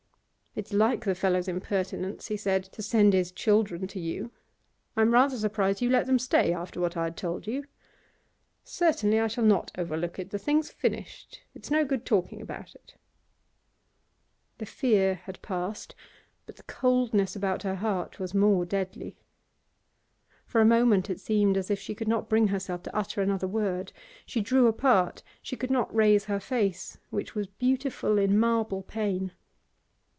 'It's like the fellow's impertinence,' he said, 'to send his children to you. I'm rather surprised you let them stay after what I had told you. Certainly I shall not overlook it. The thing's finished I it's no good talking about it.' The fear had passed, but the coldness about her heart was more deadly. For a moment it seemed as if she could not bring herself to utter another word; she drew apart, she could not raise her face, which was beautiful in marble pain.